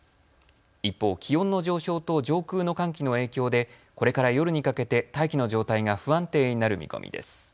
一方、気温の上昇と上空の寒気の影響でこれから夜にかけて大気の状態が不安定になる見込みです。